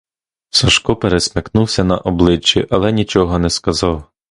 Сашко пересмикнувся на обличчі, але нічого не сказав.